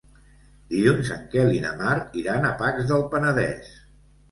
Dilluns en Quel i na Mar iran a Pacs del Penedès.